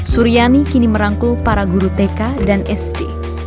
suryani kini merangkul para guru tk dan sd